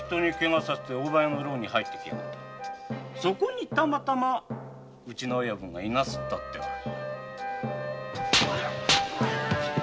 そこにたまたまうちの親分が居なすったってわけよ。